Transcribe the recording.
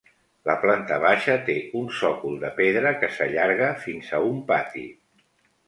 La planta baixa té un sòcol de pedra, que s'allarga fins a un pati.